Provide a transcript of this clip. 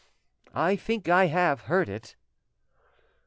"I think I have heard it."